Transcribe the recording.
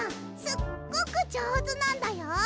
すっごくじょうずなんだよ！